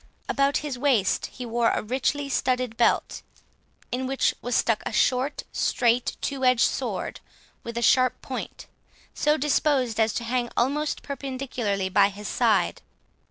About his waist he wore a richly studded belt, in which was stuck a short straight two edged sword, with a sharp point, so disposed as to hang almost perpendicularly by his side.